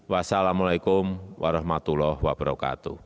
wassalamu'alaikum warahmatullahi wabarakatuh